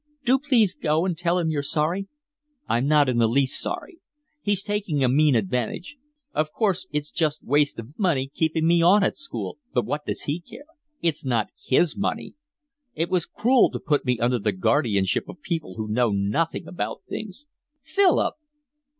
Do please go and tell him you're sorry." "I'm not in the least sorry. He's taking a mean advantage. Of course it's just waste of money keeping me on at school, but what does he care? It's not his money. It was cruel to put me under the guardianship of people who know nothing about things." "Philip."